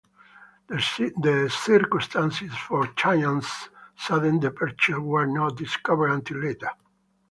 The circumstances for Chiang's sudden departure were not discovered until later.